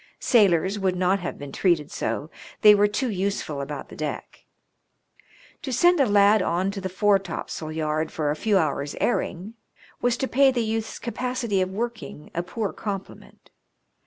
Sailors would not have been treated so; they were too useful about the deck. To send a lad on to the foretopsail yard for a few hours* airing was to pay the youth's capacity of working a poor compliment.